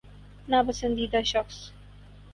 نا پسندیدہ شخص